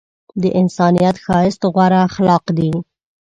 د انسان ښایست غوره اخلاق دي.